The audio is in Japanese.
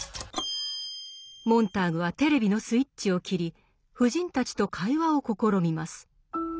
モンターグはテレビのスイッチを切り夫人たちと会話を試みます。